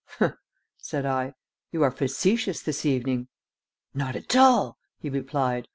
"Humph!" said I. "You are facetious this evening." "Not at all," he replied.